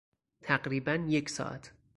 تقریبا یک ساعت